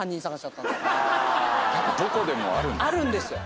やっぱどこでもあるんですね。